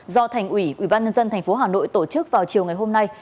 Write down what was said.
do thành ủy ubnd tp hà nội tổ chức vào chiều ngày hôm nay